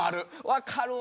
分かるわ。